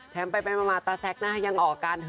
แท้มไปปันมามาตาแสซ์นะคะยังออกการ